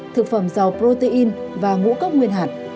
thực phẩm giàu protein và ngũ cốc nguyên hạt